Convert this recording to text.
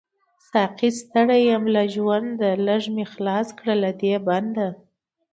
ساقۍ ستړی يم له ژونده، ليږ می خلاص کړه له دی بنده